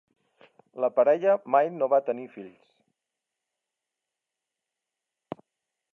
La parella mai no va tenir fills.